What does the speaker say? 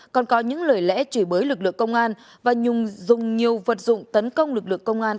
còn có những lời lẽ chửi bới lực lượng công an và dùng nhiều vật dụng tấn công lực lượng công an